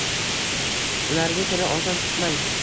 Ularga sira oson tutmang.